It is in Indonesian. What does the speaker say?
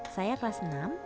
saya kelas enam